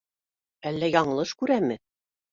Әллә яңылыш күрәме?